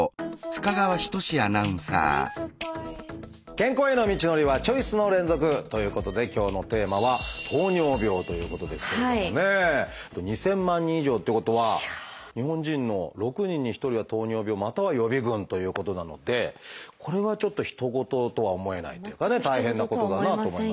健康への道のりはチョイスの連続！ということで今日のテーマは２，０００万人以上ってことは日本人の６人に１人は糖尿病または予備群ということなのでこれはちょっとひと事とは思えないというかね大変なことだなと思いますが。